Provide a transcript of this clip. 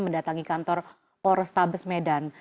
mendatangi kantor polres tables medan